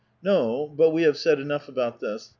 No — but we have said enough about this.